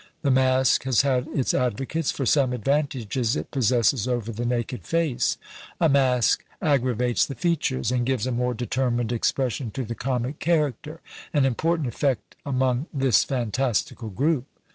The mask has had its advocates, for some advantages it possesses over the naked face; a mask aggravates the features, and gives a more determined expression to the comic character; an important effect among this fantastical group.